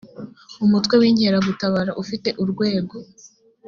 umutwe w inkeragutabara ufite urwego